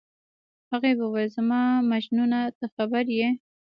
هغې وویل: زما مجنونه، ته خبر یې؟